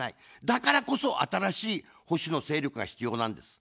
だからこそ、新しい保守の勢力が必要なんです。